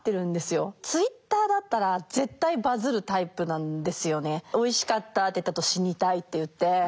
Ｔｗｉｔｔｅｒだったら「おいしかった」って言ったあと「死にたい」って言って。